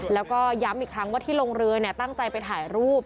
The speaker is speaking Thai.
แล้วก็ย้ำอีกครั้งว่าที่ลงเรือตั้งใจไปถ่ายรูป